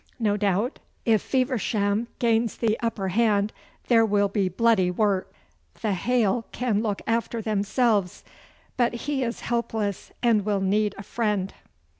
No doubt if Feversham gains the upper hand there will be bloody work. The hale can look after themselves, but he is helpless, and will need a friend.